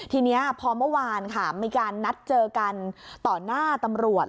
ทีนี้พอเมื่อวานค่ะมีการนัดเจอกันต่อหน้าตำรวจ